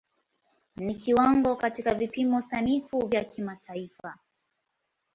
Ni kiwango katika vipimo sanifu vya kimataifa.